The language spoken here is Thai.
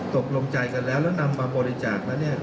ตกลงใจกันแล้วแล้วนำมาบริจาคแล้วเนี่ย